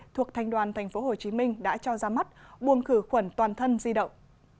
thuộc thành đoàn tp hcm đã cho ra mắt buồn khử khuẩn toàn thân di động